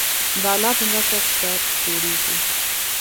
د الله په مرسته اقتصاد جوړیږي